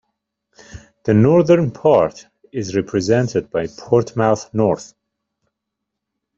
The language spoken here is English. The northern part is represented by Portsmouth North.